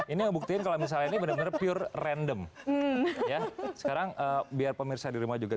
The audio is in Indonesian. ini membuktikan kalau misalnya ini bener bener pure random sekarang biar pemirsa dirumah juga